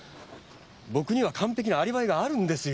僕には完璧なアリバイがあるんですよ。